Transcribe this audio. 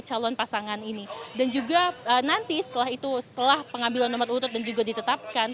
calon pasangan ini dan juga nanti setelah itu setelah pengambilan nomor urut dan juga ditetapkan